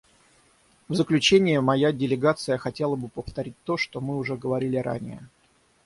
В заключение моя делегация хотела бы повторить то, что мы уже говорили ранее.